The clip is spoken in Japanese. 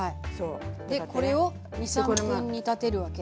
でこれを２３分煮立てるわけ？